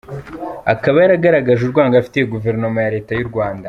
Akaba yaragaragaje urwango afitiye Guverinoma ya Leta y’u Rwanda.